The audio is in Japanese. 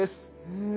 うん。